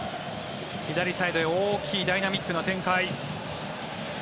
左サイドへ大きいダイナミックな展開。